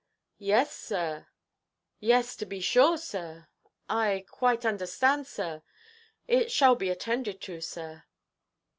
"Yes, sir; yes, to be sure, sir; I quite understand, sir. It shall be attended to, sir."